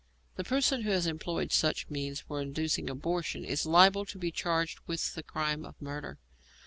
The person who has employed such means for inducing abortion is liable to be charged with the crime of murder.